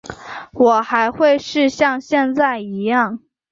我还会是像现在一样